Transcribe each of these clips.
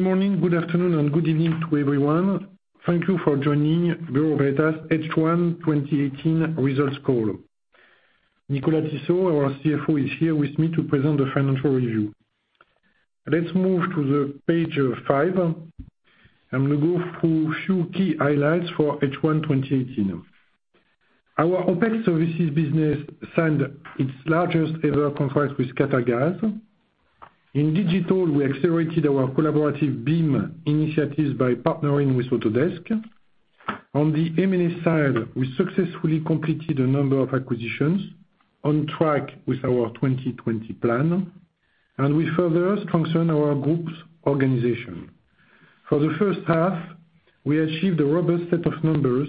Good morning, good afternoon, and good evening to everyone. Thank you for joining Bureau Veritas H1 2018 results call. Nicolas Tissot, our CFO, is here with me to present the financial review. Let's move to page five. I'm going to go through a few key highlights for H1 2018. Our OPEX services business signed its largest ever contract with Qatargas. In digital, we accelerated our collaborative BIM initiatives by partnering with Autodesk. On the M&A side, we successfully completed a number of acquisitions, on track with our 2020 plan, and we further strengthened our group's organization. For the first half, we achieved a robust set of numbers.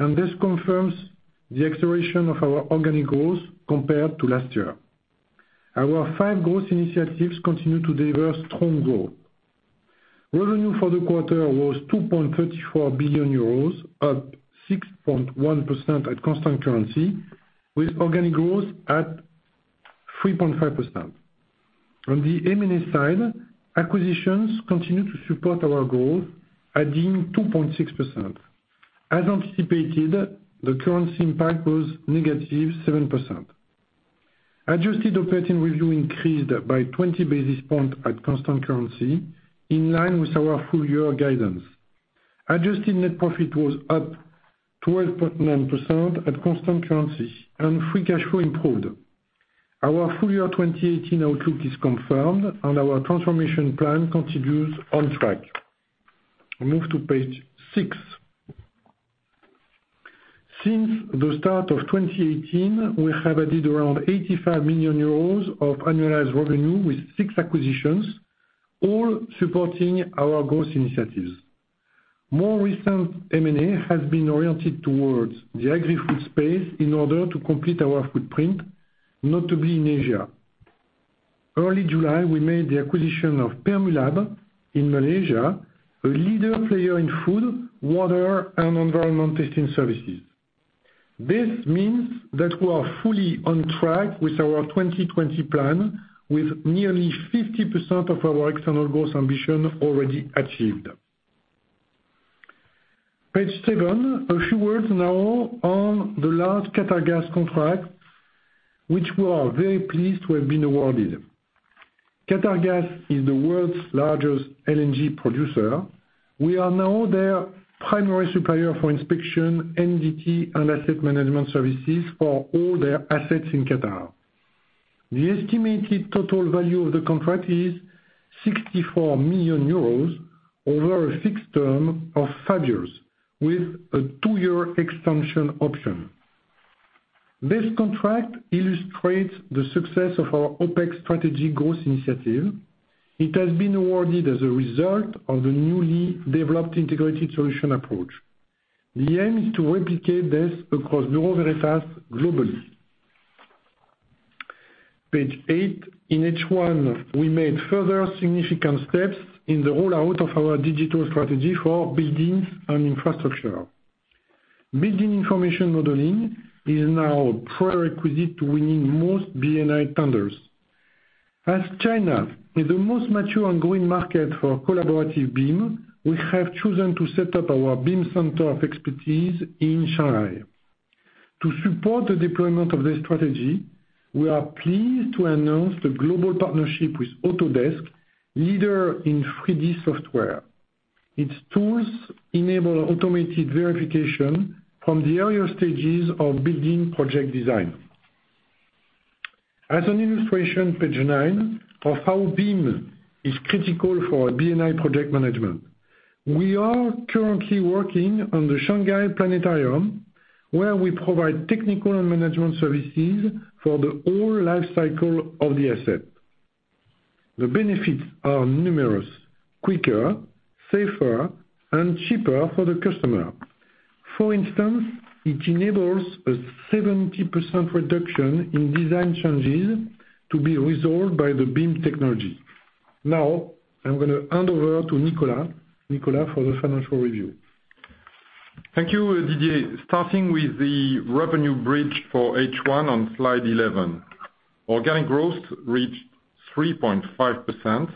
This confirms the acceleration of our organic growth compared to last year. Our five growth initiatives continue to deliver strong growth. Revenue for the quarter was 2.34 billion euros, up 6.1% at constant currency, with organic growth at 3.5%. On the M&A side, acquisitions continued to support our growth, adding 2.6%. As anticipated, the currency impact was negative 7%. Adjusted operating review increased by 20 basis points at constant currency, in line with our full-year guidance. Adjusted net profit was up 12.9% at constant currency. Free cash flow improved. Our full year 2018 outlook is confirmed. Our transformation plan continues on track. Move to page six. Since the start of 2018, we have added around 85 million euros of annualized revenue with six acquisitions, all supporting our growth initiatives. More recent M&A has been oriented towards the Agri-Food space in order to complete our footprint, notably in Asia. Early July, we made the acquisition of Permulab in Malaysia, a leader player in food, water, and environmental testing services. This means that we are fully on track with our 2020 plan, with nearly 50% of our external growth ambition already achieved. Page seven. A few words now on the large Qatargas contract, which we are very pleased to have been awarded. Qatargas is the world's largest LNG producer. We are now their primary supplier for inspection, NDT, and asset management services for all their assets in Qatar. The estimated total value of the contract is 64 million euros over a fixed term of five years, with a two-year extension option. This contract illustrates the success of our OPEX strategy growth initiative. It has been awarded as a result of the newly developed integrated solution approach. The aim is to replicate this across Bureau Veritas globally. Page eight. In H1, we made further significant steps in the rollout of our digital strategy for buildings and infrastructure. Building information modeling is now a prerequisite to winning most B&I tenders. As China is the most mature ongoing market for collaborative BIM, we have chosen to set up our BIM center of expertise in Shanghai. To support the deployment of this strategy, we are pleased to announce the global partnership with Autodesk, leader in 3D software. Its tools enable automated verification from the earlier stages of building project design. As an illustration, page nine, of how BIM is critical for our B&I project management. We are currently working on the Shanghai Planetarium, where we provide technical and management services for the whole life cycle of the asset. The benefits are numerous, quicker, safer, and cheaper for the customer. For instance, it enables a 70% reduction in design changes to be resolved by the BIM technology. Now, I'm going to hand over to Nicolas. Nicolas for the financial review. Thank you, Didier. Starting with the revenue bridge for H1 on slide 11. Organic growth reached 3.5%.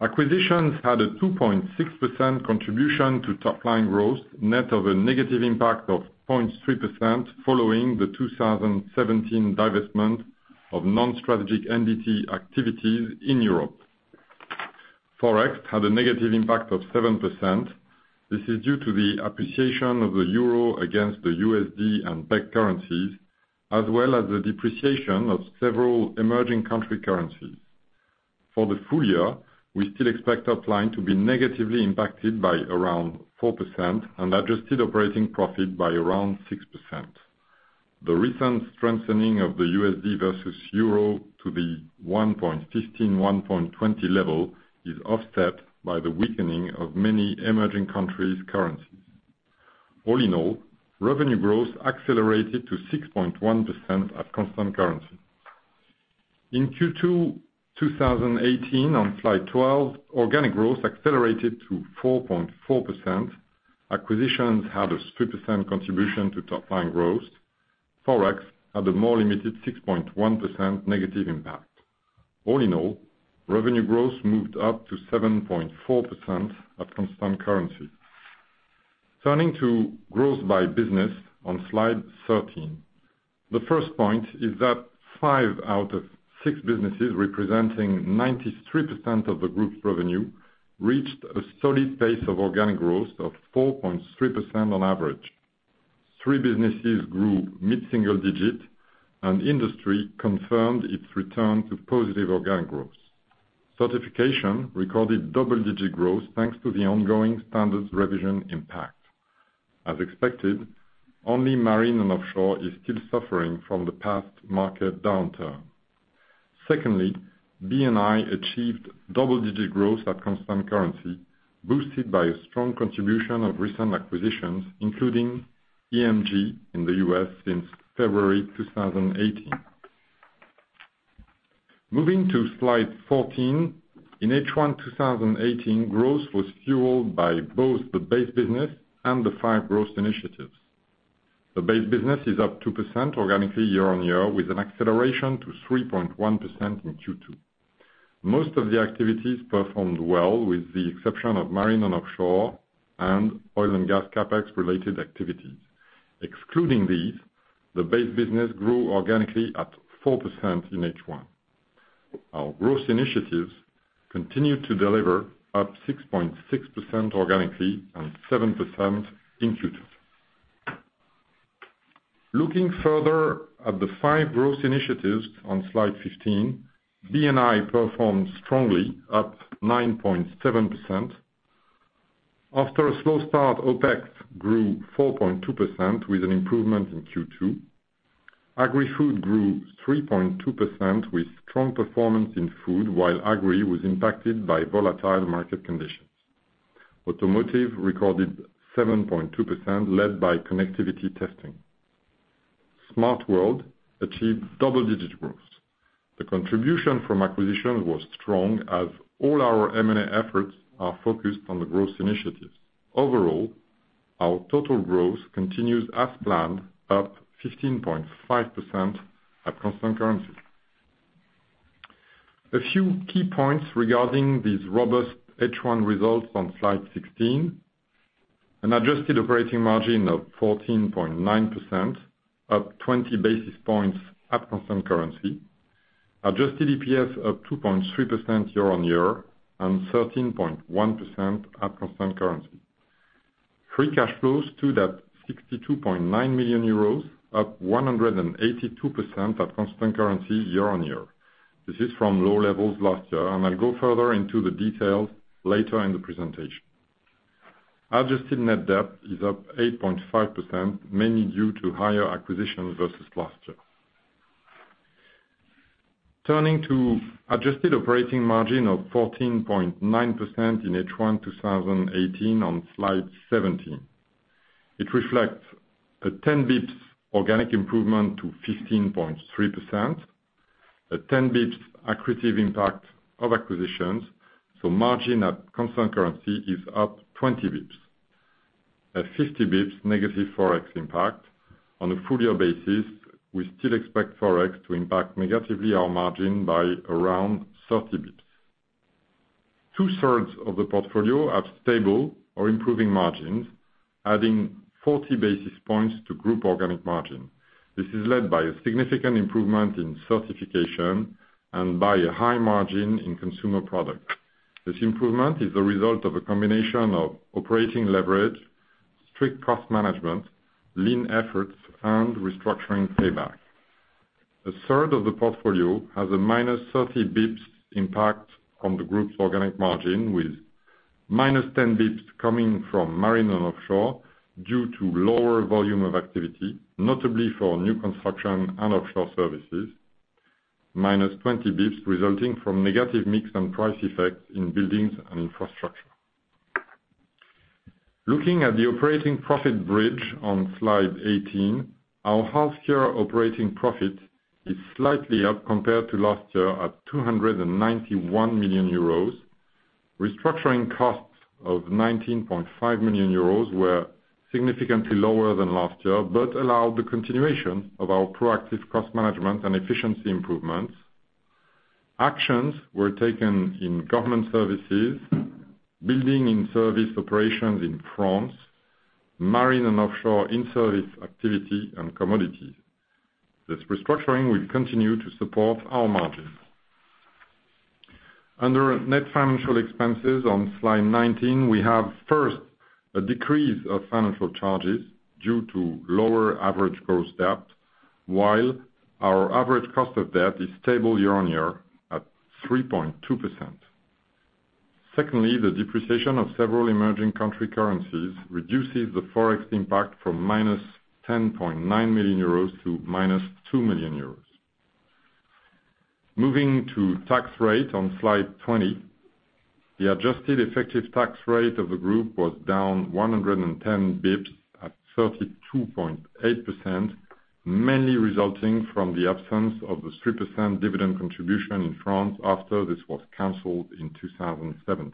Acquisitions had a 2.6% contribution to top-line growth, net of a negative impact of 0.3% following the 2017 divestment of non-strategic entity activities in Europe. Forex had a negative impact of 7%. This is due to the appreciation of the euro against the USD and basket of currencies, as well as the depreciation of several emerging country currencies. For the full year, we still expect our client to be negatively impacted by around 4%, and adjusted operating profit by around 6%. The recent strengthening of the USD versus euro to the 1.15, 1.20 level is offset by the weakening of many emerging countries' currencies. All in all, revenue growth accelerated to 6.1% at constant currency. In Q2 2018, on slide 12, organic growth accelerated to 4.4%. Acquisitions had a 3% contribution to top-line growth. Forex had a more limited 6.1% negative impact. All in all, revenue growth moved up to 7.4% at constant currency. Turning to growth by business on slide 13. The first point is that five out of six businesses representing 93% of the group's revenue, reached a solid pace of organic growth of 4.3% on average. Three businesses grew mid-single digit and Industry confirmed its return to positive organic growth. Certification recorded double-digit growth thanks to the ongoing standards revision impact. As expected, only Marine & Offshore is still suffering from the past market downturn. Secondly, B&I achieved double-digit growth at constant currency, boosted by a strong contribution of recent acquisitions, including EMG in the U.S. since February 2018. Moving to slide 14, in H1 2018, growth was fueled by both the base business and the five growth initiatives. The base business is up 2% organically year-on-year with an acceleration to 3.1% in Q2. Most of the activities performed well, with the exception of Marine & Offshore and oil and gas CapEx related activities. Excluding these, the base business grew organically at 4% in H1. Our growth initiatives continued to deliver up 6.6% organically and 7% in Q2. Looking further at the five growth initiatives on slide 15, B&I performed strongly, up 9.7%. After a slow start, OPEX grew 4.2% with an improvement in Q2. Agri-Food grew 3.2% with strong performance in food, while Agri was impacted by volatile market conditions. Automotive recorded 7.2%, led by connectivity testing. Smartworld achieved double-digit growth. The contribution from acquisition was strong as all our M&A efforts are focused on the growth initiatives. Overall, our total growth continues as planned, up 15.5% at constant currency. A few key points regarding these robust H1 results on slide 16. An adjusted operating margin of 14.9%, up 20 basis points at constant currency. Adjusted EPS up 2.3% year-on-year and 13.1% at constant currency. Free cash flows stood at 62.9 million euros, up 182% at constant currency year-on-year. This is from low levels last year, and I'll go further into the details later in the presentation. Adjusted net debt is up 8.5%, mainly due to higher acquisitions versus last year. Turning to adjusted operating margin of 14.9% in H1 2018 on slide 17. It reflects a 10 basis points organic improvement to 15.3%, a 10 basis points accretive impact of acquisitions, so margin at constant currency is up 20 basis points. At 50 basis points negative Forex impact on a full year basis, we still expect Forex to impact negatively our margin by around 30 basis points. Two-thirds of the portfolio have stable or improving margins, adding 40 basis points to group organic margin. This is led by a significant improvement in certification and by a high margin in consumer product. This improvement is the result of a combination of operating leverage, strict cost management, lean efforts, and restructuring payback. A third of the portfolio has a minus 30 basis points impact on the group's organic margin, with minus 10 basis points coming from Marine & Offshore due to lower volume of activity, notably for new construction and offshore services, minus 20 basis points resulting from negative mix and price effects in Buildings & Infrastructure. Looking at the operating profit bridge on slide 18, our half-year operating profit is slightly up compared to last year at 291 million euros. Restructuring costs of 19.5 million euros were significantly lower than last year, allowed the continuation of our proactive cost management and efficiency improvements. Actions were taken in government services, buildings in-service operations in France, Marine & Offshore in-service activity and Commodities. This restructuring will continue to support our margin. Under net financial expenses on slide 19, we have first a decrease of financial charges due to lower average gross debt, while our average cost of debt is stable year-on-year at 3.2%. Secondly, the depreciation of several emerging country currencies reduces the ForEx impact from minus 10.9 million euros to minus 2 million euros. Moving to tax rate on slide 20. The adjusted effective tax rate of the group was down 110 basis points at 32.8%, mainly resulting from the absence of the 3% dividend contribution in France after this was canceled in 2017.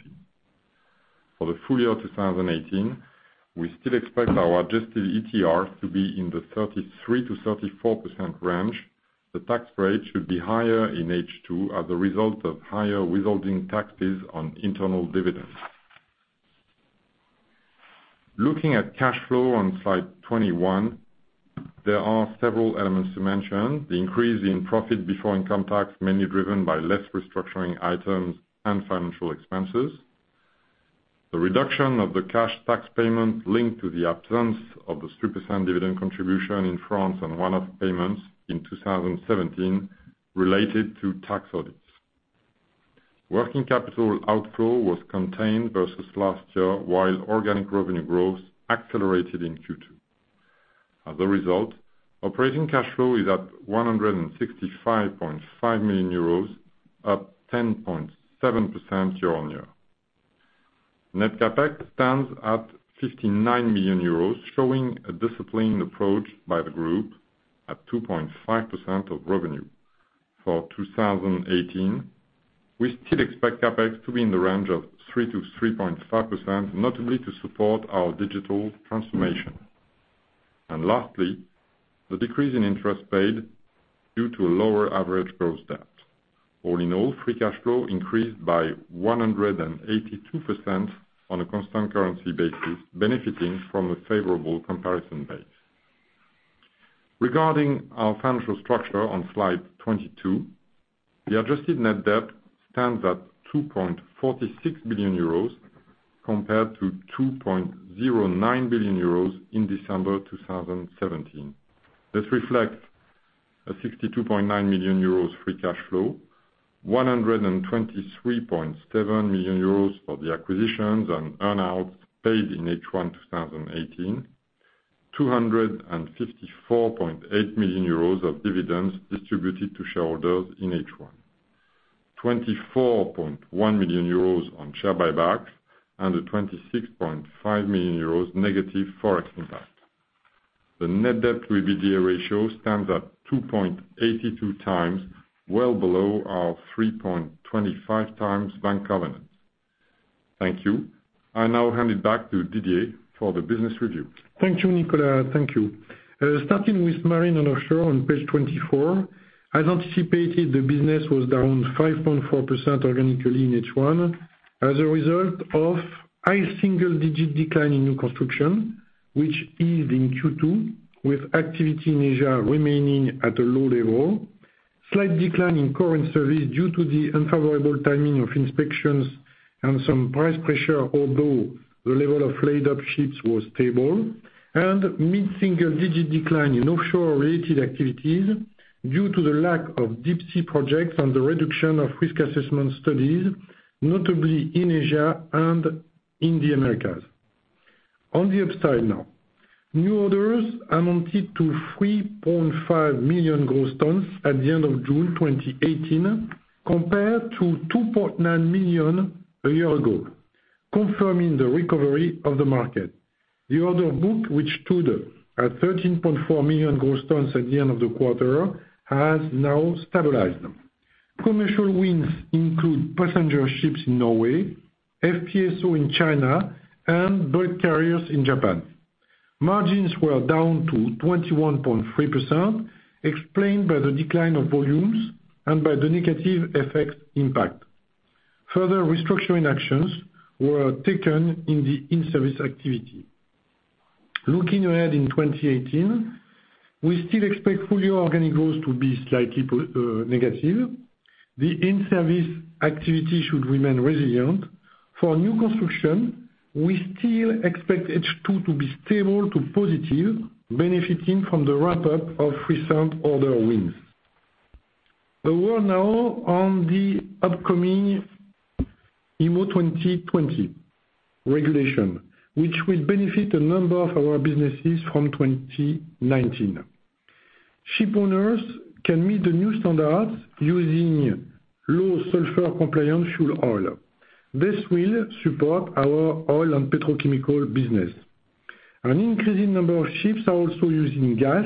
For the full year of 2018, we still expect our adjusted ETR to be in the 33%-34% range. The tax rate should be higher in H2 as a result of higher withholding taxes on internal dividends. Looking at cash flow on slide 21, there are several elements to mention. The increase in profit before income tax, mainly driven by less restructuring items and financial expenses. The reduction of the cash tax payment linked to the absence of the 3% dividend contribution in France and one-off payments in 2017 related to tax audits. Working capital outflow was contained versus last year while organic revenue growth accelerated in Q2. As a result, operating cash flow is at 165.5 million euros, up 10.7% year-on-year. Net CapEx stands at 59 million euros, showing a disciplined approach by the group at 2.5% of revenue. For 2018, we still expect CapEx to be in the range of 3%-3.5%, notably to support our digital transformation. Lastly, the decrease in interest paid due to a lower average gross debt. All in all, free cash flow increased by 182% on a constant currency basis, benefiting from a favorable comparison base. Regarding our financial structure on Slide 22, the adjusted net debt stands at 2.46 billion euros compared to 2.09 billion euros in December 2017. This reflects a 62.9 million euros free cash flow, 123.7 million euros for the acquisitions and earn-outs paid in H1 2018, 254.8 million euros of dividends distributed to shareholders in H1. 24.1 million euros on share buybacks and a 26.5 million euros negative ForEx impact. The net debt will be the ratio stands at 2.82 times, well below our 3.25 times bank covenant. Thank you. I now hand it back to Didier for the business review. Thank you, Nicolas. Thank you. Starting with Marine & Offshore on page 24. As anticipated, the business was down 5.4% organically in H1 as a result of high single-digit decline in new construction, which eased in Q2 with activity in Asia remaining at a low level. Slight decline in current service due to the unfavorable timing of inspections and some price pressure, although the level of laid-up ships was stable. Mid-single digit decline in offshore-related activities due to the lack of deep sea projects and the reduction of risk assessment studies, notably in Asia and in the Americas. On the upside now. New orders amounted to 3.5 million gross tons at the end of June 2018, compared to 2.9 million a year ago, confirming the recovery of the market. The order book, which stood at 13.4 million gross tons at the end of the quarter, has now stabilized. Commercial wins include passenger ships in Norway, FPSO in China, and bulk carriers in Japan. Margins were down to 21.3%, explained by the decline of volumes and by the negative FX impact. Further restructuring actions were taken in the in-service activity. Looking ahead in 2018, we still expect full-year organic growth to be slightly negative. The in-service activity should remain resilient. For new construction, we still expect H2 to be stable to positive, benefiting from the ramp-up of recent order wins. A word now on the upcoming IMO 2020 regulation, which will benefit a number of our businesses from 2019. Shipowners can meet the new standards using low sulfur compliance fuel oil. This will support our Oil & Petrochemicals business. An increasing number of ships are also using gas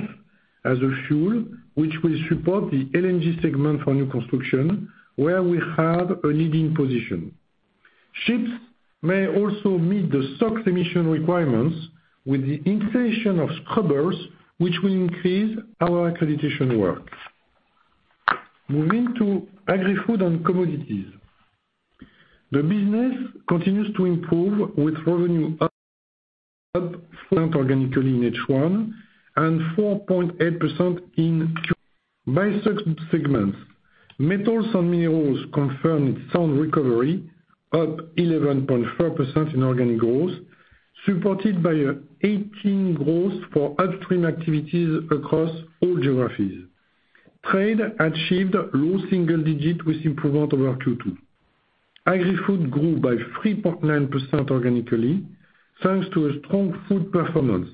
as a fuel, which will support the LNG segment for new construction, where we have a leading position. Ships may also meet the SOx emission requirements with the installation of scrubbers, which will increase our accreditation work. Moving to Agri-Food and Commodities. The business continues to improve with revenue up organically in H1 and 4.8% in Q2. By such segments, Metals & Minerals confirmed sound recovery, up 11.4% in organic growth, supported by 18% growth for upstream activities across all geographies. Trade achieved low single digit with improvement over Q2. Agri-Food grew by 3.9% organically, thanks to a strong food performance.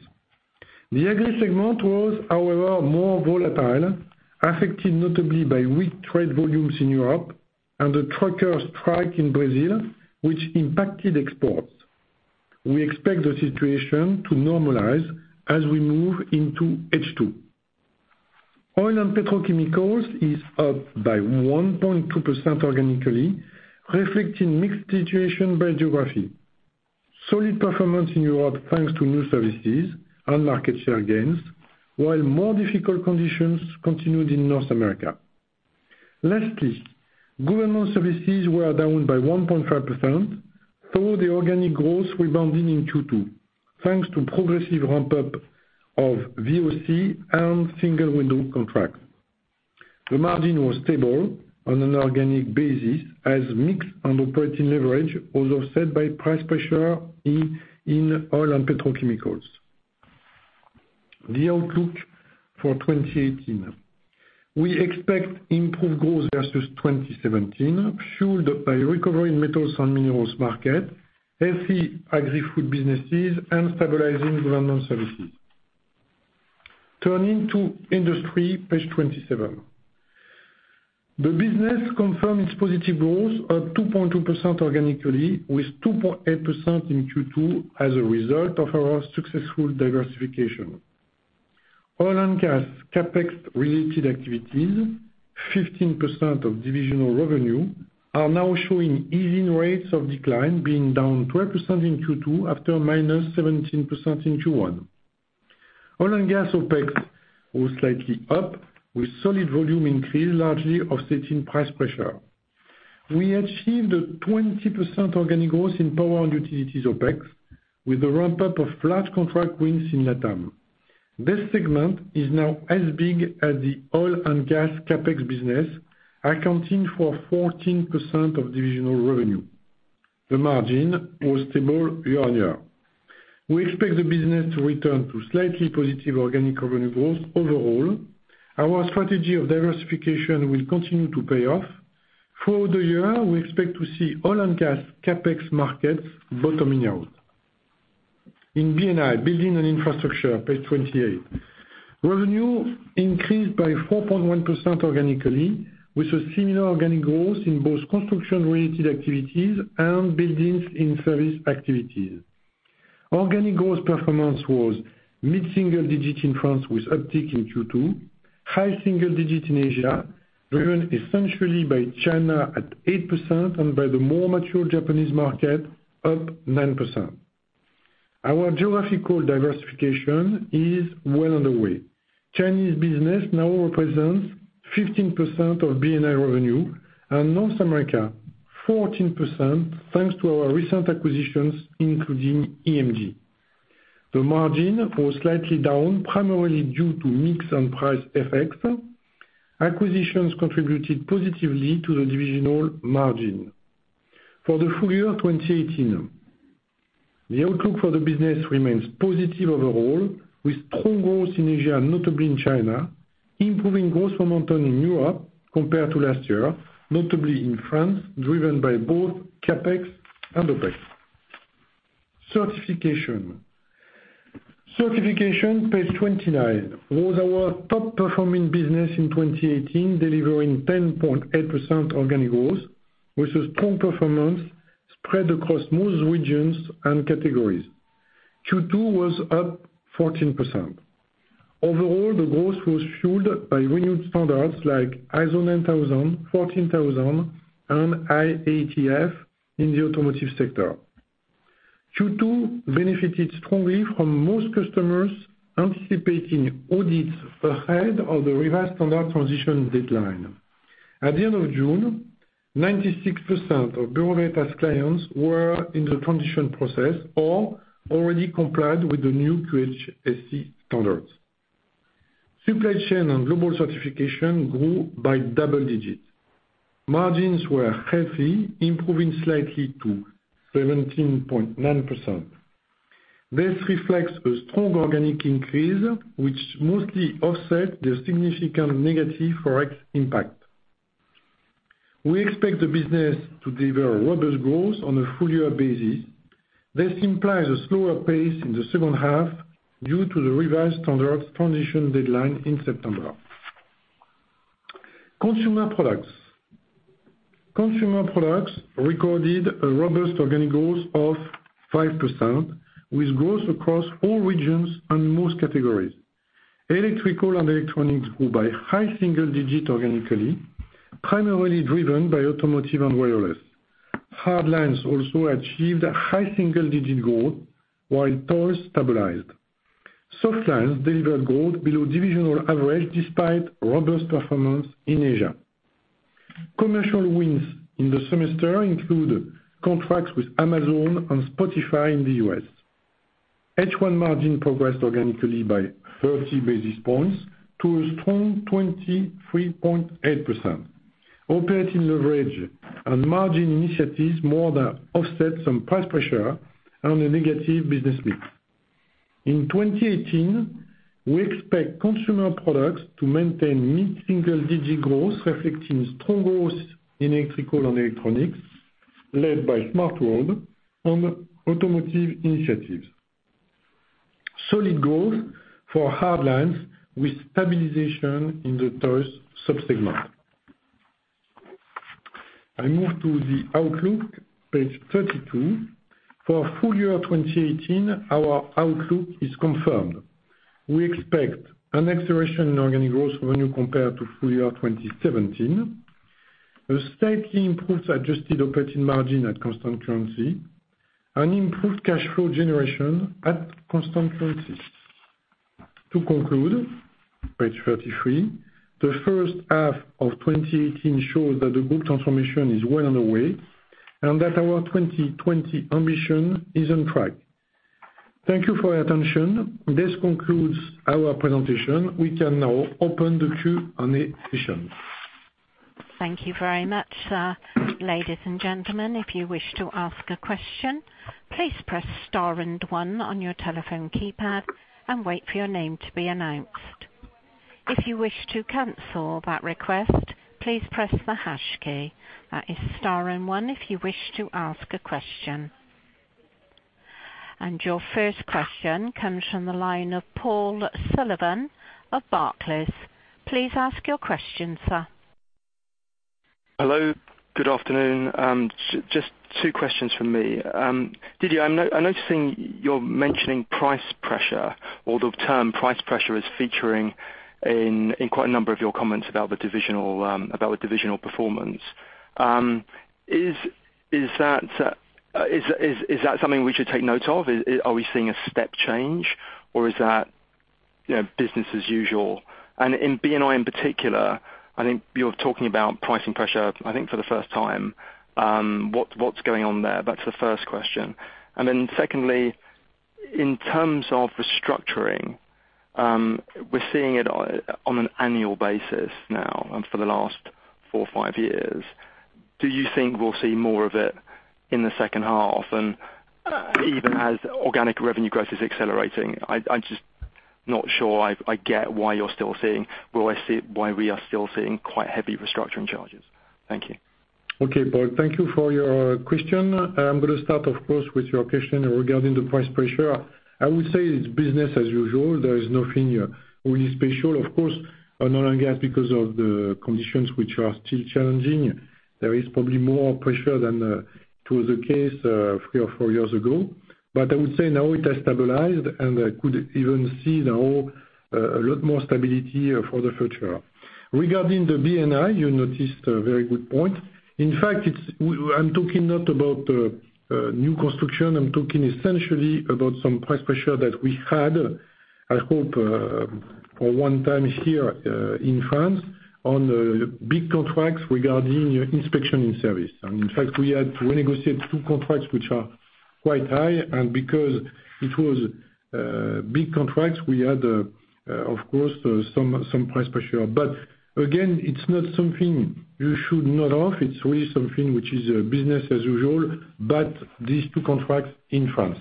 The agri segment was, however, more volatile, affected notably by weak trade volumes in Europe and the trucker strike in Brazil, which impacted exports. We expect the situation to normalize as we move into H2. Oil & Petrochemicals is up by 1.2% organically, reflecting mixed situation by geography. Solid performance in Europe, thanks to new services and market share gains, while more difficult conditions continued in North America. Lastly, government services were down by 1.5%, though the organic growth rebounded in Q2, thanks to progressive ramp-up of VOC and single window contracts. The margin was stable on an organic basis as mix and operating leverage was offset by price pressure in Oil & Petrochemicals. The outlook for 2018. We expect improved growth versus 2017, fueled by recovery in Metals & Minerals market, healthy Agri-Food businesses, and stabilizing government services. Turning to Industry, page 27. The business confirms positive growth of 2.2% organically, with 2.8% in Q2 as a result of our successful diversification. Oil and gas CapEx related activities, 15% of divisional revenue, are now showing easing rates of decline being down 12% in Q2 after -17% in Q1. Oil and gas OpEx was slightly up with solid volume increase, largely offsetting price pressure. We achieved a 20% organic growth in power and utilities OpEx, with the ramp-up of large contract wins in Latam. This segment is now as big as the Oil and gas CapEx business, accounting for 14% of divisional revenue. The margin was stable year-on-year. We expect the business to return to slightly positive organic revenue growth overall. Our strategy of diversification will continue to pay off. Through the year, we expect to see Oil and gas CapEx markets bottoming out. In B&I, Building & Infrastructure, page 28. Revenue increased by 4.1% organically, with a similar organic growth in both construction-related activities and buildings in service activities. Organic growth performance was mid-single digit in France, with uptick in Q2. High single digit in Asia, driven essentially by China at 8% and by the more mature Japanese market, up 9%. Our geographical diversification is well underway. Chinese business now represents 15% of B&I revenue, and North America 14%, thanks to our recent acquisitions, including EMG. The margin was slightly down, primarily due to mix and price effects. Acquisitions contributed positively to the divisional margin. For the full year 2018, the outlook for the business remains positive overall, with strong growth in Asia, notably in China, improving growth momentum in Europe compared to last year, notably in France, driven by both CapEx and OpEx. Certification. Certification, page 29, was our top performing business in 2018, delivering 10.8% organic growth, with a strong performance spread across most regions and categories. Q2 was up 14%. Overall, the growth was fueled by renewed standards like ISO 9000, 14000, and IATF in the automotive sector. Q2 benefited strongly from most customers anticipating audits ahead of the revised standard transition deadline. At the end of June, 96% of Bureau Veritas clients were in the transition process or already complied with the new QHSE standards. Supply chain and global certification grew by double digits. Margins were healthy, improving slightly to 17.9%. This reflects a strong organic increase, which mostly offset the significant negative ForEx impact. We expect the business to deliver robust growth on a full-year basis. This implies a slower pace in the second half due to the revised standards transition deadline in September. Consumer products. Consumer products recorded a robust organic growth of 5%, with growth across all regions and most categories. Electrical and electronics grew by high single digit organically, primarily driven by automotive and wireless. Hard lines also achieved a high single digit growth, while toys stabilized. Soft lines delivered growth below divisional average despite robust performance in Asia. Commercial wins in the semester include contracts with Amazon and Spotify in the U.S. H1 margin progressed organically by 30 basis points to a strong 23.8%. Operating leverage and margin initiatives more than offset some price pressure on a negative business mix. In 2018, we expect consumer products to maintain mid-single digit growth, reflecting strong growth in electrical and electronics led by Smartworld and automotive initiatives. Solid growth for hard lines with stabilization in the toys sub-segment. I move to the outlook, page 32. For full year 2018, our outlook is confirmed. We expect an acceleration in organic growth revenue compared to full year 2017, a slightly improved adjusted operating margin at constant currency, and improved cash flow generation at constant currency. To conclude, page 33, the first half of 2018 shows that the group transformation is well underway and that our 2020 ambition is on track. Thank you for your attention. This concludes our presentation. We can now open the Q&A session. Thank you very much, sir. Ladies and gentlemen, if you wish to ask a question, please press star and one on your telephone keypad and wait for your name to be announced. If you wish to cancel that request, please press the hash key. That is star and one if you wish to ask a question. Your first question comes from the line of Paul Sullivan of Barclays. Please ask your question, sir. Hello, good afternoon. Just two questions from me. Didier, I'm noticing you're mentioning price pressure, or the term price pressure is featuring in quite a number of your comments about the divisional performance. Is that something we should take note of? Are we seeing a step change or is that business as usual? In B&I in particular, I think you're talking about pricing pressure, I think for the first time. What's going on there? That's the first question. Secondly, in terms of restructuring, we're seeing it on an annual basis now for the last four or five years. Do you think we'll see more of it in the second half? Even as organic revenue growth is accelerating, I'm just not sure I get why we are still seeing quite heavy restructuring charges. Thank you. Okay, Paul. Thank you for your question. I'm going to start, of course, with your question regarding the price pressure. I would say it's business as usual. There is nothing really special, of course, on oil and gas because of the conditions which are still challenging. There is probably more pressure than was the case three or four years ago. I would say now it has stabilized, and I could even see now a lot more stability for the future. Regarding the B&I, you noticed a very good point. In fact, I'm talking not about new construction. I'm talking essentially about some price pressure that we had, I hope, for one time here in France on big contracts regarding inspection in service. In fact, we had to renegotiate two contracts which are quite high, and because it was big contracts, we had, of course, some price pressure. It's not something you should note of. It's really something which is business as usual, but these two contracts in France.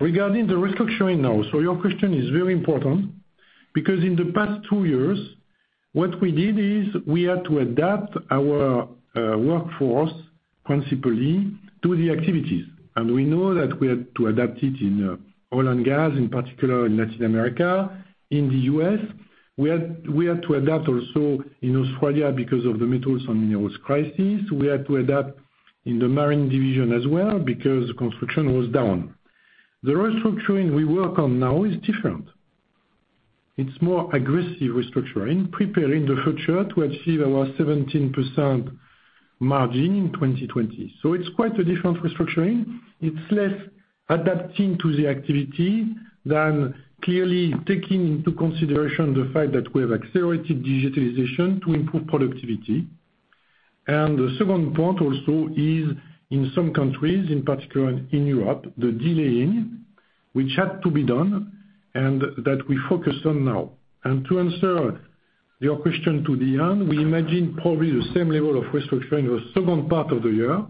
Regarding the restructuring now, your question is very important because in the past two years, what we did is we had to adapt our workforce principally to the activities. We know that we had to adapt it in oil and gas, in particular in Latin America, in the U.S. We had to adapt also in Australia because of the metals and minerals crisis. We had to adapt in the marine division as well because construction was down. The restructuring we work on now is different. It's more aggressive restructuring, preparing the future to achieve our 17% margin in 2020. It's quite a different restructuring. It's less adapting to the activity than clearly taking into consideration the fact that we have accelerated digitalization to improve productivity. The second point also is in some countries, in particular in Europe, the delaying, which had to be done and that we focus on now. To answer your question to the end, we imagine probably the same level of restructuring the second part of the year.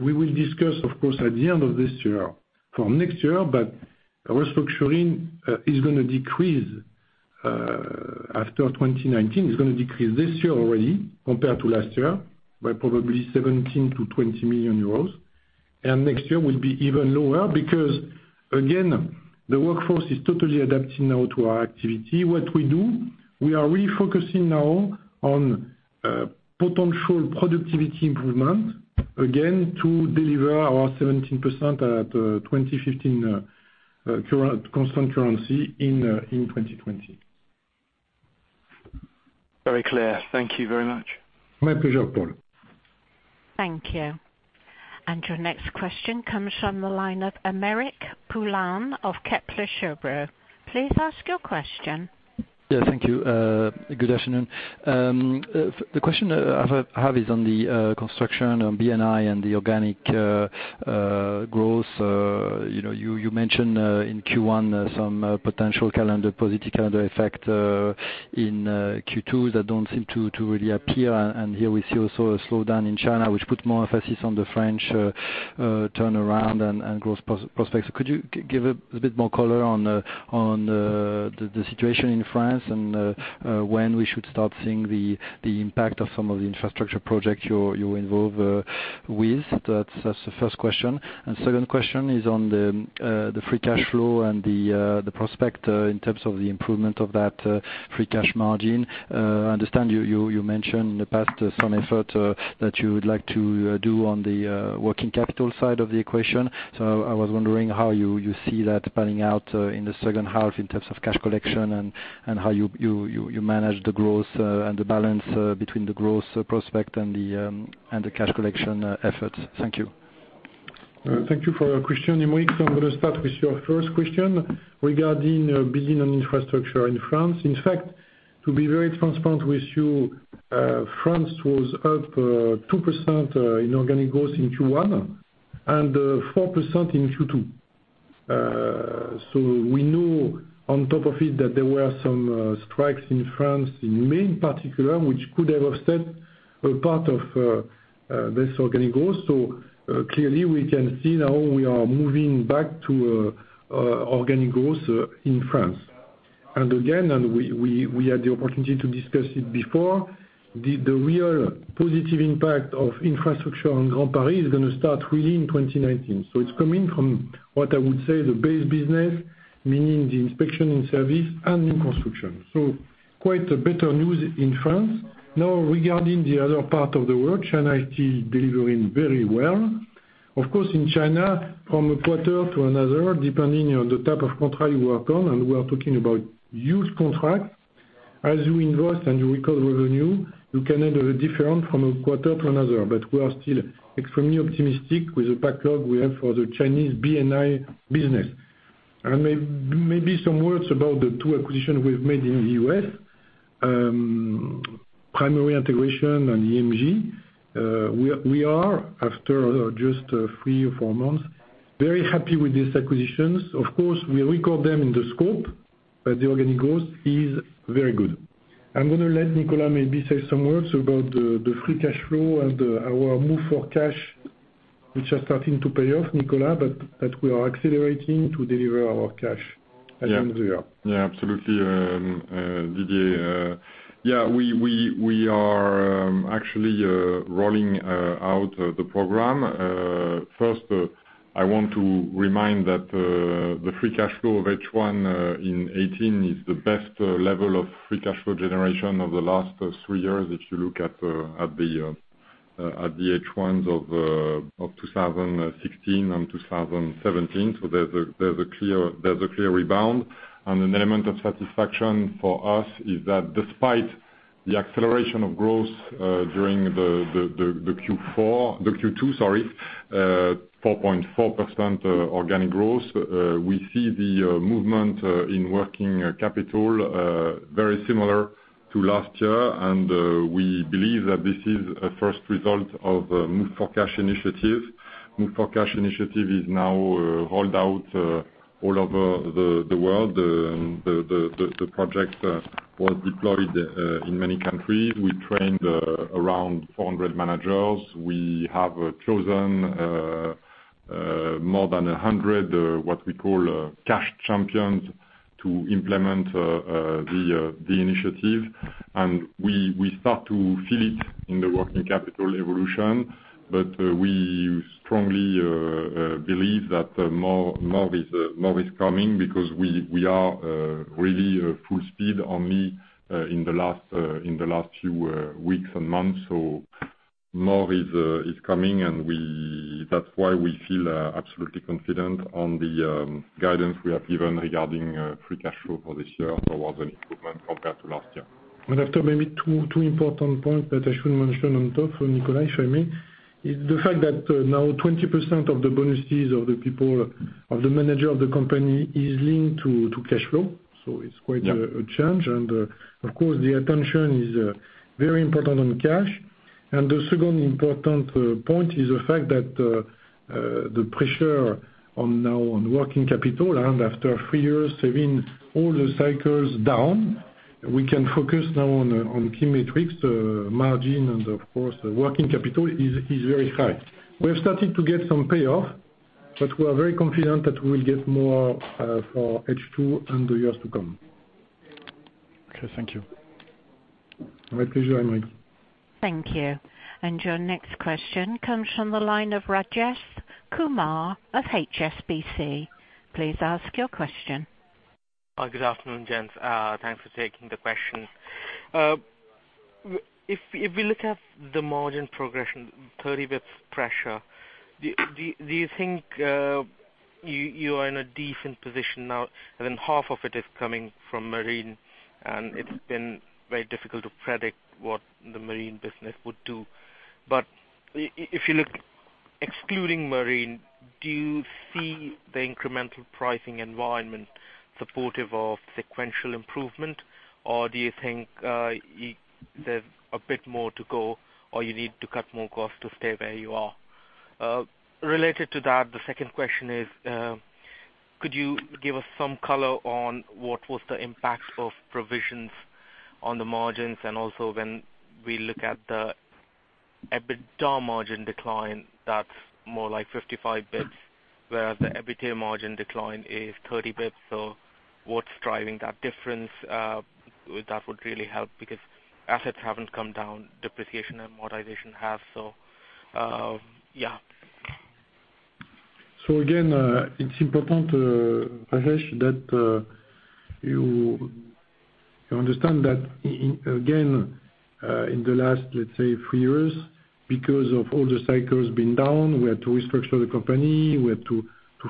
We will discuss, of course, at the end of this year for next year, restructuring is going to decrease after 2019. It's going to decrease this year already compared to last year by probably 17 million-20 million euros. Next year will be even lower because, again, the workforce is totally adapting now to our activity. What we do, we are refocusing now on potential productivity improvement, again, to deliver our 17% at 2015 constant currency in 2020. Very clear. Thank you very much. My pleasure, Paul. Thank you. Your next question comes from the line of Aymeric Poulain of Kepler Cheuvreux. Please ask your question. Yeah, thank you. Good afternoon. The question I have is on the construction, on B&I and the organic growth. You mentioned in Q1 some potential positive calendar effect in Q2 that don't seem to really appear. Here we see also a slowdown in China, which put more emphasis on the French turnaround and growth prospects. Could you give a bit more color on the situation in France and when we should start seeing the impact of some of the infrastructure projects you're involved with? That's the first question. Second question is on the free cash flow and the prospect in terms of the improvement of that free cash margin. I understand you mentioned in the past some effort that you would like to do on the working capital side of the equation. I was wondering how you see that panning out in the second half in terms of cash collection and how you manage the growth and the balance between the growth prospect and the cash collection efforts. Thank you. Thank you for your question, Aymeric. I'm going to start with your first question regarding Building and Infrastructure in France. In fact, to be very transparent with you, France was up 2% in organic growth in Q1 and 4% in Q2. We know on top of it that there were some strikes in France, in May in particular, which could have offset a part of this organic growth. Clearly we can see now we are moving back to organic growth in France. Again, and we had the opportunity to discuss it before, the real positive impact of infrastructure on Grand Paris is going to start really in 2019. It's coming from what I would say, the base business, meaning the inspection in service and new construction. Quite better news in France. Now, regarding the other part of the world, China is still delivering very well. Of course, in China from a quarter to another, depending on the type of contract you work on, and we are talking about huge contracts. As you invoice and you record revenue, you can have a different from a quarter to another. We are still extremely optimistic with the backlog we have for the Chinese B&I business. Maybe some words about the two acquisitions we've made in the U.S., Primary Integration and EMG. We are, after just three or four months, very happy with these acquisitions. Of course, we record them in the scope, but the organic growth is very good. I'm going to let Nicolas maybe say some words about the free cash flow and our Move for Cash, which are starting to pay off, Nicolas, that we are accelerating to deliver our cash at the end of the year. Yeah, absolutely, Didier. We are actually rolling out the program. First, I want to remind that the free cash flow of H1 in 2018 is the best level of free cash flow generation of the last three years, if you look at the H1s of 2016 and 2017. There's a clear rebound. An element of satisfaction for us is that despite the acceleration of growth during the Q2, 4.4% organic growth, we see the movement in working capital very similar to last year. We believe that this is a first result of the Move for Cash initiative. Move for Cash initiative is now rolled out all over the world. The project was deployed in many countries. We trained around 400 managers. We have chosen more than 100, what we call, cash champions to implement the initiative. We start to feel it in the working capital evolution. We strongly believe that more is coming because we are really full speed only in the last few weeks and months. More is coming, that's why we feel absolutely confident on the guidance we have given regarding free cash flow for this year towards an improvement compared to last year. After maybe two important points that I should mention on top of Nicolas, if I may, is the fact that now 20% of the bonuses of the manager of the company is linked to cash flow. It's quite a change. Of course, the attention is very important on cash. The second important point is the fact that the pressure now on working capital and after 3 years saving all the cycles down, we can focus now on key metrics, margin and of course, working capital is very high. We have started to get some payoff, but we are very confident that we will get more for H2 and the years to come. Okay. Thank you. My pleasure, Aymeric. Thank you. Your next question comes from the line of Rajesh Kumar of HSBC. Please ask your question. Good afternoon, gents. Thanks for taking the question. If we look at the margin progression, 30 basis points pressure, do you think you are in a decent position now when half of it is coming from marine and it's been very difficult to predict what the marine business would do. If you look excluding marine, do you see the incremental pricing environment supportive of sequential improvement, or do you think there's a bit more to go or you need to cut more cost to stay where you are? Related to that, the second question is, could you give us some color on what was the impact of provisions on the margins? Also when we look at the EBITDA margin decline, that's more like 55 basis points, whereas the EBITDA margin decline is 30 basis points. What's driving that difference? That would really help because assets haven't come down, depreciation and amortization have. Yeah. Again, it's important, Rajesh, that you understand that again, in the last, let's say, three years, because of all the cycles being down, we had to restructure the company. We had to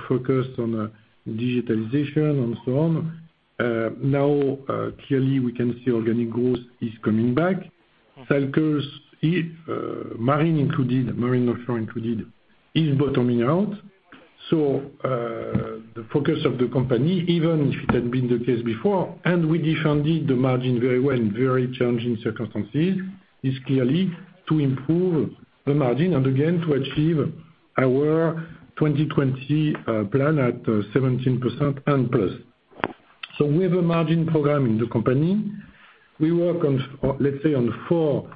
focus on digitalization and so on. Now, clearly we can see organic growth is coming back. [Selco's] Marine & Offshore included, is bottoming out. The focus of the company, even if it had been the case before, and we defended the margin very well in very challenging circumstances, is clearly to improve the margin and again, to achieve our 2020 plan at 17% and plus. We have a margin program in the company. We work on, let's say on four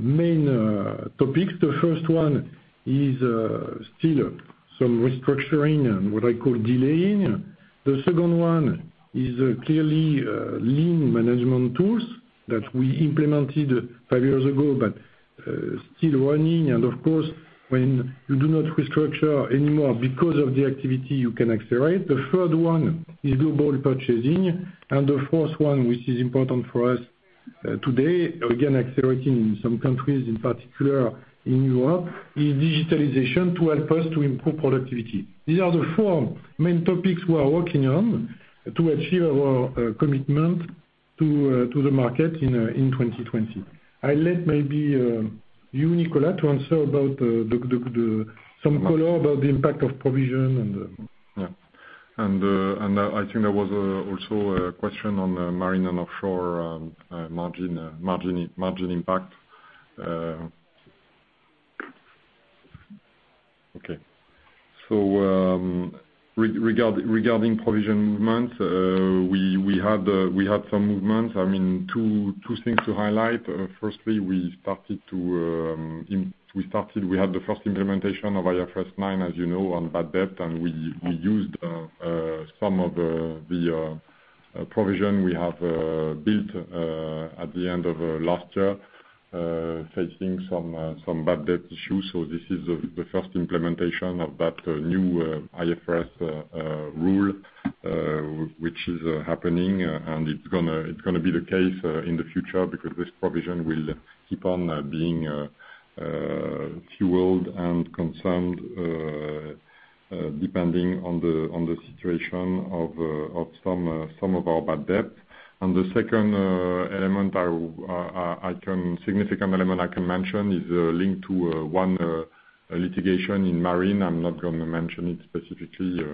main topics. The first one is still some restructuring and what I call delaying. The second one is clearly lean management tools that we implemented five years ago, but still running. Of course, when you do not restructure anymore because of the activity, you can accelerate. The third one is global purchasing. The fourth one, which is important for us today, again, accelerating in some countries, in particular in Europe, is digitalization to help us to improve productivity. These are the four main topics we are working on to achieve our commitment to the market in 2020. I let maybe you, Nicolas, to answer about some color about the impact of provision. Yeah. I think there was also a question on the Marine & Offshore margin impact. Regarding provision movement, we had some movements. Two things to highlight. Firstly, we had the first implementation of IFRS 9, as you know, on bad debt, and we used some of the provision we have built at the end of last year, facing some bad debt issues. This is the first implementation of that new IFRS rule, which is happening, and it's going to be the case in the future because this provision will keep on being fueled and concerned, depending on the situation of some of our bad debt. The second significant element I can mention is linked to one litigation in Marine. I'm not going to mention it specifically.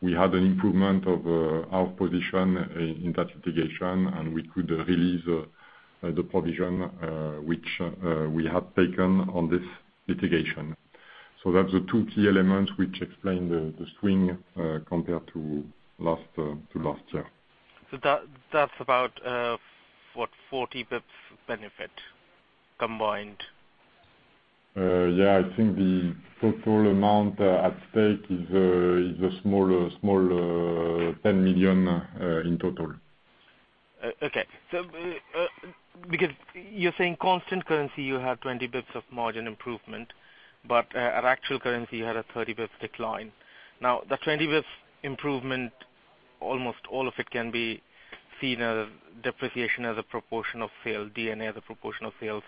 We had an improvement of our position in that litigation, and we could release the provision, which we had taken on this litigation. That's the two key elements which explain the swing, compared to last year. That's about, what, 40 basis points benefit combined? Yeah, I think the total amount at stake is a small 10 million in total. Okay. Because you're saying constant currency, you have 20 basis points of margin improvement, but at actual currency, you had a 30 basis points decline. The 20 basis points improvement, almost all of it can be seen as depreciation as a proportion of sale, D&A as a proportion of sales,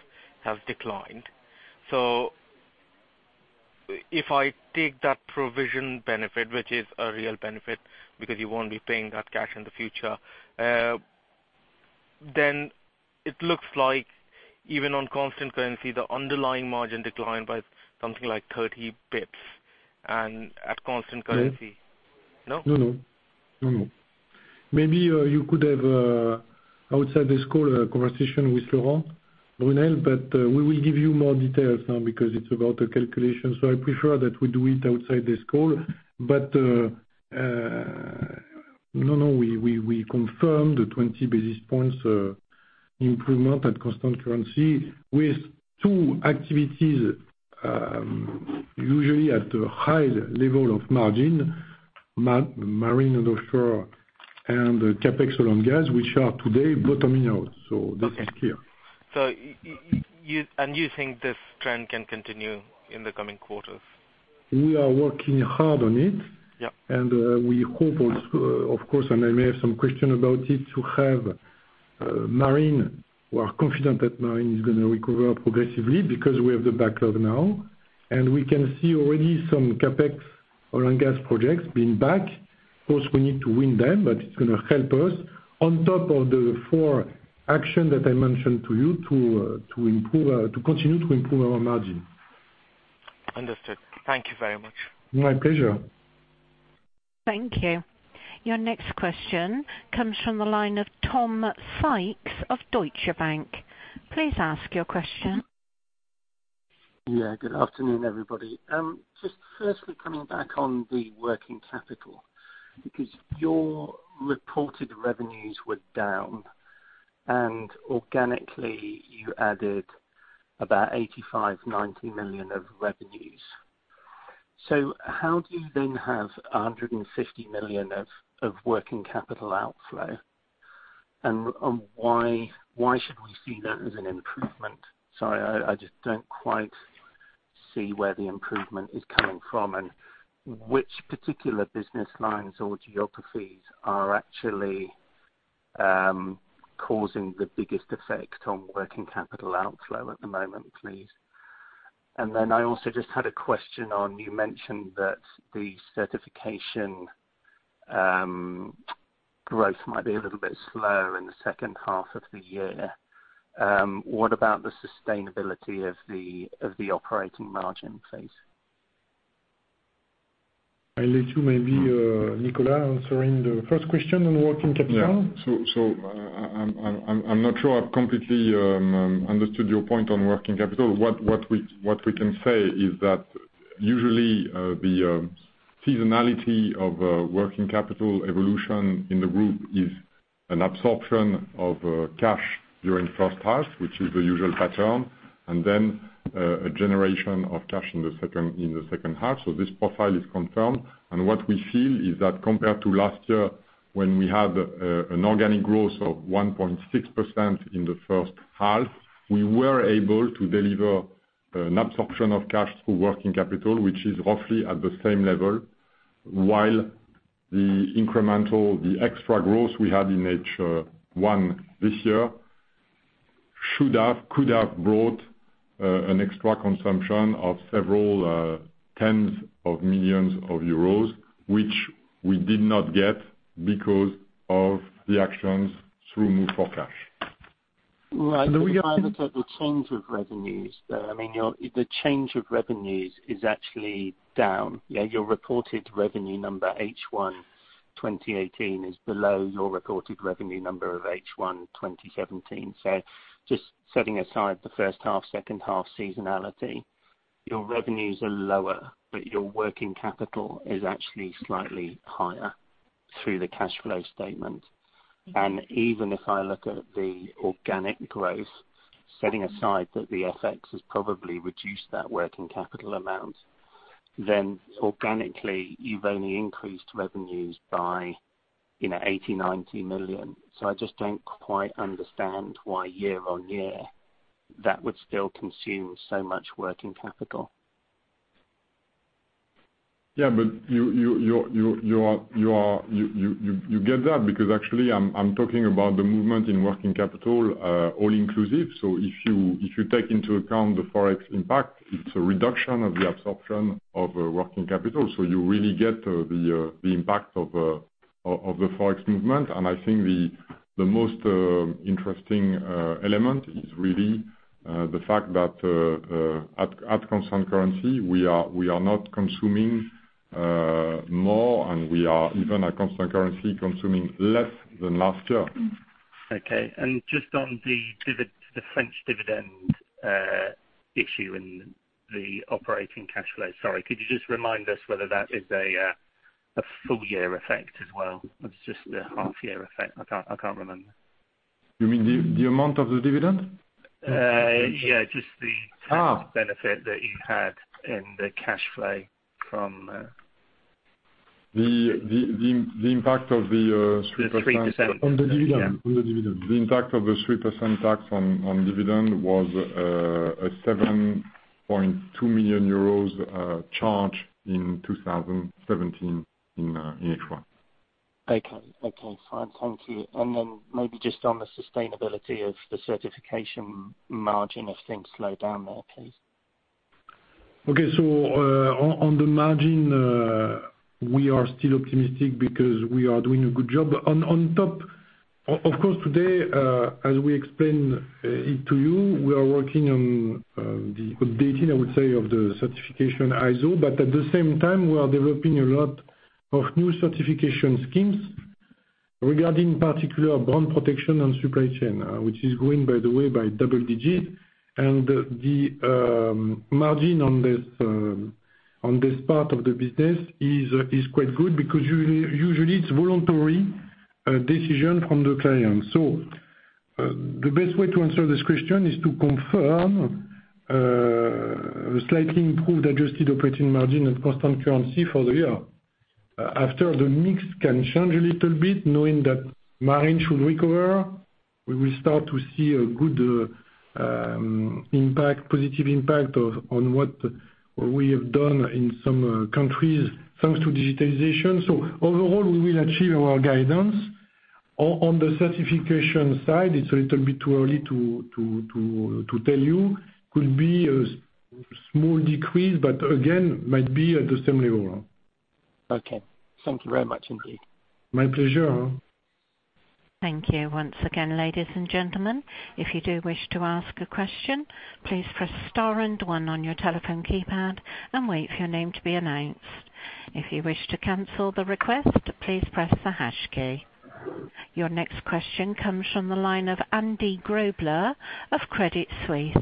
have declined. If I take that provision benefit, which is a real benefit because you won't be paying that cash in the future, then it looks like even on constant currency, the underlying margin declined by something like 30 basis points. Yes. No? No. Maybe you could have outside this call, a conversation with Laurent Brunelle, but we will give you more details now because it's about a calculation, so I prefer that we do it outside this call. No, we confirm the 20 basis points improvement at constant currency with two activities, usually at a high level of margin, Marine & Offshore and CapEx oil and gas, which are today bottoming out. This is clear. Okay. You think this trend can continue in the coming quarters? We are working hard on it. Yep. We hope, of course, and I may have some question about it, to have Marine. We are confident that Marine is going to recover progressively because we have the backlog now, we can see already some CapEx around gas projects being back. Of course, we need to win them, but it's going to help us on top of the four action that I mentioned to you to continue to improve our margin. Understood. Thank you very much. My pleasure. Thank you. Your next question comes from the line of Tom Sykes of Deutsche Bank. Please ask your question. Good afternoon, everybody. Just firstly, coming back on the working capital, because your reported revenues were down, and organically you added about 85 million-90 million of revenues. How do you then have 150 million of working capital outflow? Why should we see that as an improvement? Sorry, I just don't quite see where the improvement is coming from, and which particular business lines or geographies are actually causing the biggest effect on working capital outflow at the moment, please? I also just had a question on, you mentioned that the certification growth might be a little bit slow in the second half of the year. What about the sustainability of the operating margin, please? I'll let you maybe, Nicolas, answering the first question on working capital. Yeah. I'm not sure I've completely understood your point on working capital. What we can say is that usually, the seasonality of working capital evolution in the group is an absorption of cash during the first half, which is the usual pattern, and then a generation of cash in the second half. This profile is confirmed. What we feel is that compared to last year, when we had an organic growth of 1.6% in the first half, we were able to deliver an absorption of cash through working capital, which is roughly at the same level, while the incremental, the extra growth we had in H1 this year should have, could have brought an extra consumption of several tens of millions of euros, which we did not get because of the actions through Move for Cash. Well, I think either type of change of revenues, though, I mean, the change of revenues is actually down. Your reported revenue number H1 2018 is below your reported revenue number of H1 2017. Just setting aside the first half, second half seasonality, your revenues are lower, but your working capital is actually slightly higher through the cash flow statement. Even if I look at the organic growth, setting aside that the FX has probably reduced that working capital amount, organically you've only increased revenues by 80 million-90 million. I just don't quite understand why year on year that would still consume so much working capital. Yeah, you get that because actually I'm talking about the movement in working capital, all inclusive. If you take into account the Forex impact, it's a reduction of the absorption of working capital. You really get the impact of the Forex movement. I think the most interesting element is really the fact that at constant currency, we are not consuming more, and we are even at constant currency consuming less than last year. Okay. Just on the French dividend issue and the operating cash flow, sorry, could you just remind us whether that is a full year effect as well? It's just a half year effect. I can't remember. You mean the amount of the dividend? Yeah, just. benefit that you had in the cash flow from The impact of the 3%. The 3%. On the dividend. The impact of the 3% tax on dividend was 7.2 million euros charge in 2017 in H1. Okay, fine. Thank you. Then maybe just on the sustainability of the certification margin, if things slow down there, please. Okay. On the margin, we are still optimistic because we are doing a good job. On top, of course, today, as we explained it to you, we are working on the updating, I would say, of the certification ISO, but at the same time, we are developing a lot of new certification schemes regarding particular bond protection and supply chain, which is growing, by the way, by double digits. The margin on this part of the business is quite good because usually it's voluntary decision from the client. The best way to answer this question is to confirm a slightly improved adjusted operating margin at constant currency for the year. After the mix can change a little bit knowing that Marine should recover, we will start to see a good impact, positive impact on what we have done in some countries thanks to digitization. Overall, we will achieve our guidance. On the certification side, it's a little bit too early to tell you. Could be a small decrease, again, might be at the same level. Okay. Thank you very much indeed. My pleasure. Thank you once again, ladies and gentlemen. If you do wish to ask a question, please press star and one on your telephone keypad and wait for your name to be announced. If you wish to cancel the request, please press the hash key. Your next question comes from the line of Andrew Grobler of Credit Suisse.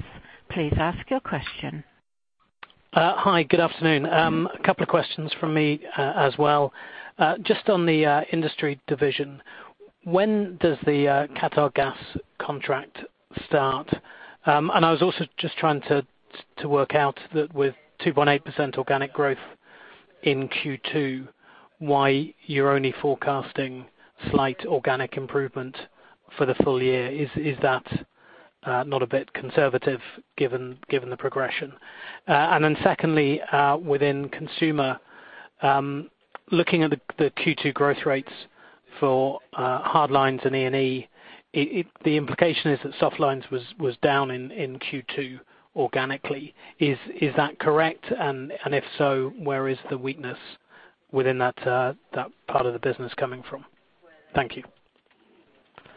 Please ask your question. Hi, good afternoon. A couple of questions from me as well. Just on the industry division, when does the Qatargas contract start? I was also just trying to work out that with 2.8% organic growth in Q2, why you're only forecasting slight organic improvement for the full year. Is that not a bit conservative given the progression? Secondly, within consumer, looking at the Q2 growth rates For hard lines and E&E, the implication is that soft lines was down in Q2 organically. Is that correct? If so, where is the weakness within that part of the business coming from? Thank you.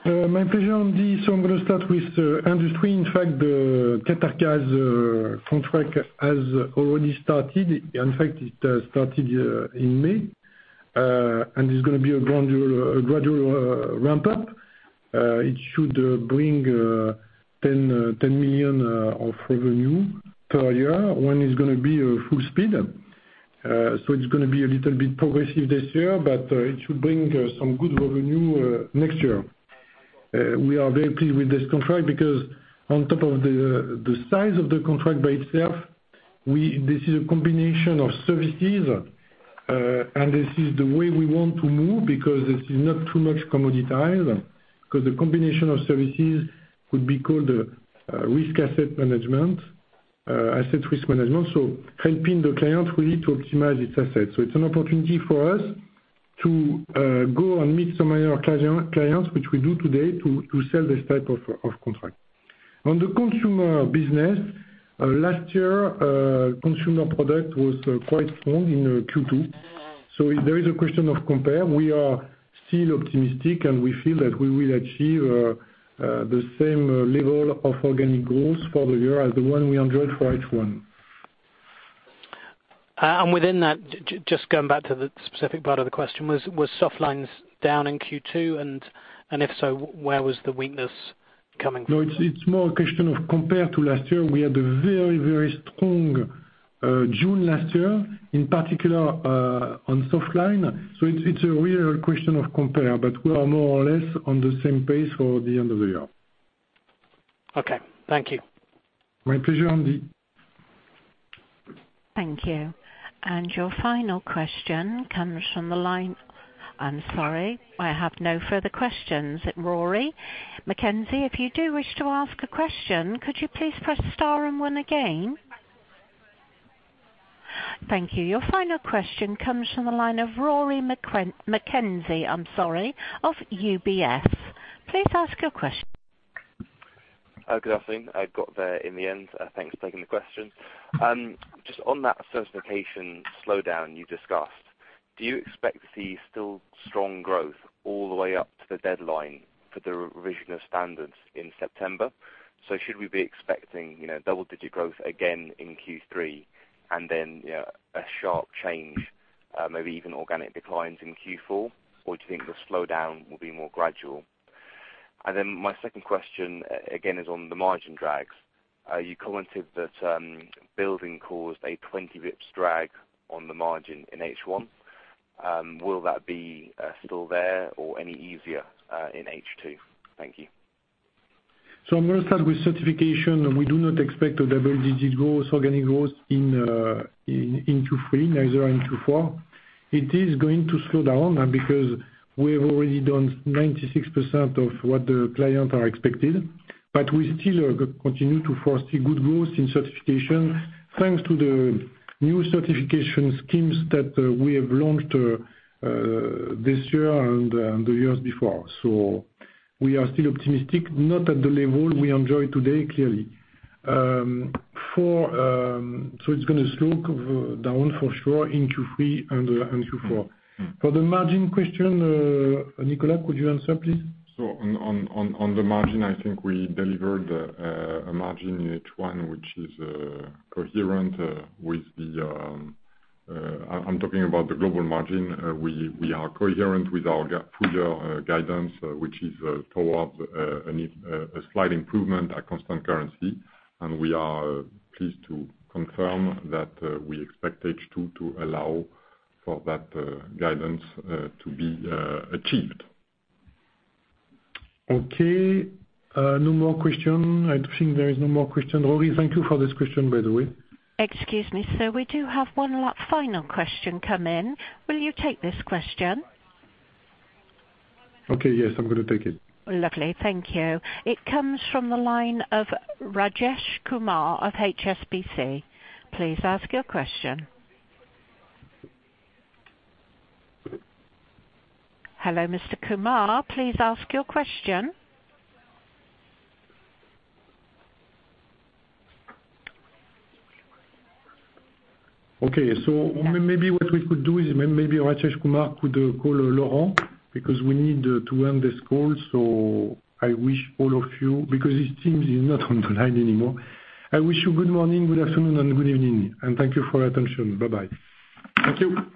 My pleasure, Andrew. I'm going to start with industry. The Qatargas contract has already started. It started in May, and it's going to be a gradual ramp-up. It should bring 10 million of revenue per year when it's going to be full speed. It's going to be a little bit progressive this year, but it should bring some good revenue next year. We are very pleased with this contract because on top of the size of the contract by itself, this is a combination of services. This is the way we want to move because this is not too much commoditized. The combination of services could be called risk asset management, asset risk management. Helping the client really to optimize its assets. It's an opportunity for us to go and meet some of our clients, which we do today, to sell this type of contract. On the consumer business, last year, consumer product was quite strong in Q2. If there is a question of compare, we are still optimistic, and we feel that we will achieve the same level of organic growth for the year as the one we enjoyed for H1. Within that, just going back to the specific part of the question, was soft lines down in Q2? If so, where was the weakness coming from? No, it's more a question of compared to last year, we had a very, very strong June last year, in particular, on soft line. It's a real question of compare, but we are more or less on the same pace for the end of the year. Okay. Thank you. My pleasure, Andrew. Thank you. Your final question comes from the line-- I'm sorry, I have no further questions, Rory McKenzie. If you do wish to ask a question, could you please press star and one again? Thank you. Your final question comes from the line of Rory McKenzie of UBS. Please ask your question. Good afternoon. I got there in the end. Thanks for taking the question. Just on that certification slowdown you discussed, do you expect to see still strong growth all the way up to the deadline for the revision of standards in September? Should we be expecting double-digit growth again in Q3, then a sharp change, maybe even organic declines in Q4? Do you think the slowdown will be more gradual? Then my second question, again, is on the margin drags. You commented that building caused a 20 basis points drag on the margin in H1. Will that be still there or any easier in H2? Thank you. I'm going to start with certification. We do not expect a double-digit growth, organic growth in Q3, neither in Q4. It is going to slow down because we have already done 96% of what the clients are expected. We still continue to foresee good growth in certification thanks to the new certification schemes that we have launched this year and the years before. We are still optimistic, not at the level we enjoy today, clearly. It's going to slow down for sure in Q3 and Q4. For the margin question, Nicolas, could you answer, please? On the margin, I think we delivered a margin in H1 which is coherent with. I'm talking about the global margin. We are coherent with our full-year guidance, which is towards a slight improvement at constant currency. We are pleased to confirm that we expect H2 to allow for that guidance to be achieved. Okay. No more question. I think there is no more question. Rory, thank you for this question, by the way. Excuse me, sir. We do have one final question come in. Will you take this question? Okay, yes, I'm going to take it. Lovely. Thank you. It comes from the line of Rajesh Kumar of HSBC. Please ask your question. Hello, Mr. Kumar. Please ask your question. Okay. Maybe what we could do is maybe Rajesh Kumar could call Laurent, because we need to end this call. Because it seems he's not on the line anymore, I wish you good morning, good afternoon, and good evening, and thank you for your attention. Bye-bye. Thank you